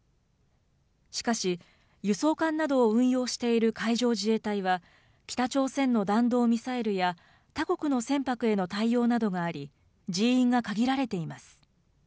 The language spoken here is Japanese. しかし、輸送艦などを運用している海上自衛隊は、北朝鮮の弾道ミサイルや他国の船舶への対応などがあり、人員が限られています。